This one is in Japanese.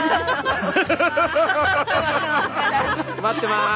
待ってます！